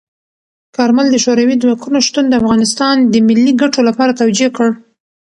کارمل د شوروي ځواکونو شتون د افغانستان د ملي ګټو لپاره توجیه کړ.